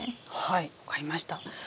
はい分かりました。